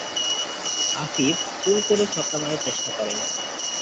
Afif pull করে ছক্কা মারার চেষ্টা করেন।